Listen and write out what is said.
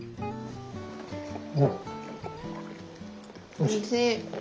おいしい。